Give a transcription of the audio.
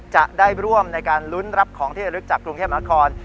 จะได้ร่วมในการลุ้นรับของที่ระลึกจากกรุงเทพมหานคร